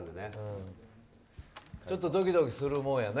ちょっとドキドキするもんやね。